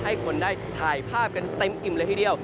ให้คนได้ถ่ายภาพกันเต็มอิ่มเลยทีเดียว